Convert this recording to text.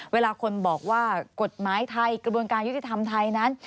เวลาคนบอกว่ากฎหมายไทยกระบวนการยุติธรรมไทยนั้น